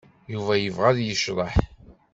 Yuba yebɣa ad yecḍeḥ.